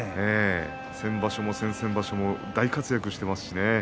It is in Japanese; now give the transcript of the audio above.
先場所も先々場所も大活躍していますしね。